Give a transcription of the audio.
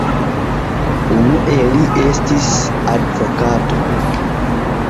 Unue li estis advokato.